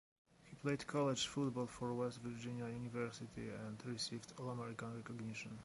He played college football for West Virginia University, and received All-American recognition.